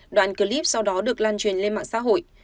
đoạn clip sau đó được lan truyền lên mạng xã hội